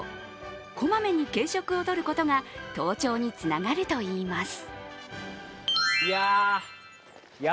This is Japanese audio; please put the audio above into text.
こまめに軽食を取ることが登頂につながるといいます。